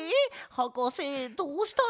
はかせどうしたの？